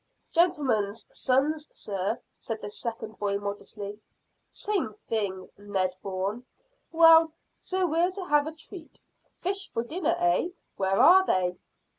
"Gentlemen's sons, sir," said the second boy modestly. "Same thing, Ned Bourne. Well, so we're to have a treat: fish for dinner, eh? Where are they?"